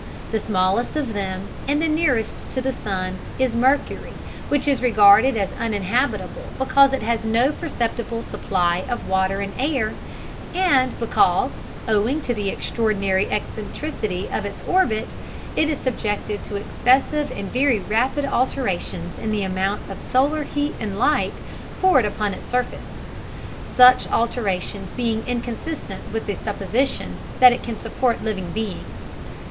The smallest of them, and the nearest to the sun, is Mercury, which is regarded as uninhabitable because it has no perceptible supply of water and air, and because, owing to the extraordinary eccentricity of its orbit, it is subjected to excessive and very rapid alterations in the amount of solar heat and light poured upon its surface, such alterations being inconsistent with the supposition that it can support living beings.